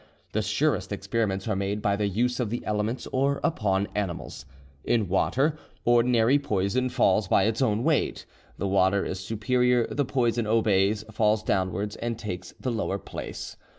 The surest experiments are made by the use of the elements or upon animals. In water, ordinary poison falls by its own weight. The water is superior, the poison obeys, falls downwards, and takes the lower place.